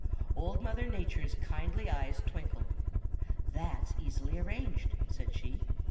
"Old Mother Nature's kindly eyes twinkled. 'That's easily arranged,' said she.